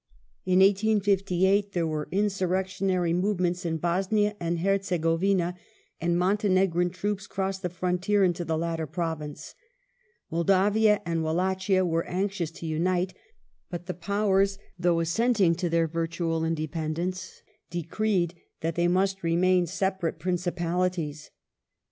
In 1858 there were insurrectionary movements in Bosnia and Her 1 zegovina, and Montenegrin troops crossed the frontier into the ' latter province. Moldavia and Wallachia were anxious to unite, but the Powei s, though assenting to their vu tual independence, decreed that they must remain separate principalities.